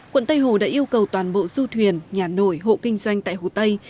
quận tây hồ đã yêu cầu toàn bộ du thuyền nhà nổi hộ kinh doanh tại hồ tây